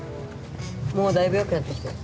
もうだいぶよくなってきたよ。